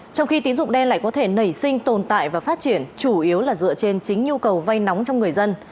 trong khi tín dụng đen lại có thể nảy sinh tồn tại và phát triển chủ yếu là dựa trên tín dụng đen